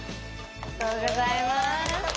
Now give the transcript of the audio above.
おめでとうございます。